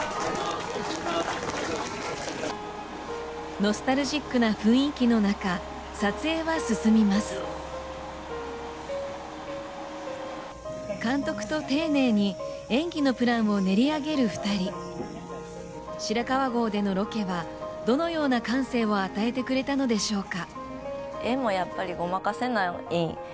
ノスタルジックな雰囲気の中撮影は進みます監督と丁寧に演技のプランを練り上げる二人白川郷でのロケはどのような感性を与えてくれたのでしょうか？